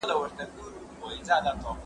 ایا ستا په فکر کي د سبا د مننې رڼا سته؟